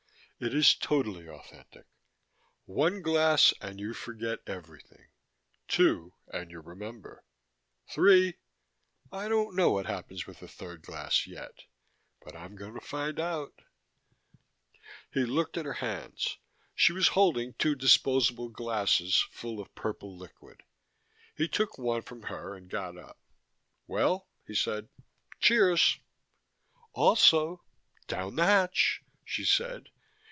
It is totally authentic. One glass and you forget everything. Two, and you remember. Three I don't know what happens with the third glass yet. But I'm going to find out." He looked at her hands. She was holding two disposable glasses, full of purple liquid. He took one from her and got up. "Well," he said, "cheers." "Also down the hatch," she said.